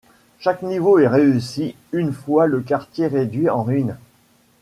Chaque niveau est réussi une fois le quartier réduit en ruines.